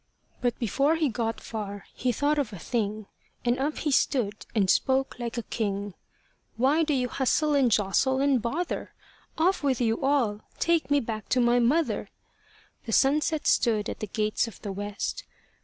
But before he got far, he thought of a thing; And up he stood, and spoke like a king. "Why do you hustle and jostle and bother? Off with you all! Take me back to my mother." The sunset stood at the gates of the west.